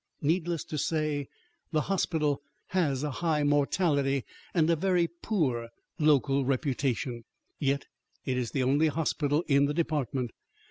Needless to say, the hospital has a high mortality and a very poor local reputation; yet it is the only hospital in the Department.